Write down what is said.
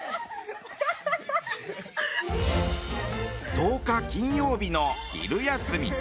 １０日、金曜日の昼休み。